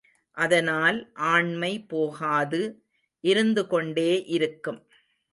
அதனால் ஆண்மை போகாது, இருந்துகொண்டே இருக்கும்.